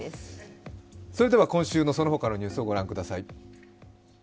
今週のそのほかのニュースを御覧ください。